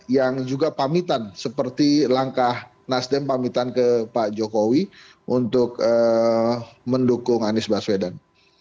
yang juga pamitan seperti langkah nasdem pamitan ke pak jokowi untuk mendukung anies baswedan